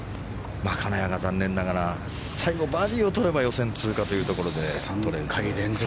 金谷が残念ながら最後バーディーをとれば予選通過というところでとれず。